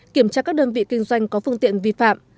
kiểm tra các đơn vị kinh doanh có phương tiện vi phạm